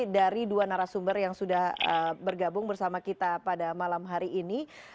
dari dua narasumber yang sudah bergabung bersama kita pada malam hari ini